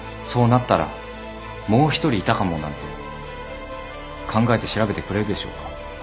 そうなったらもう１人いたかもなんて考えて調べてくれるでしょうか。